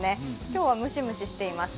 今日はムシムシしています。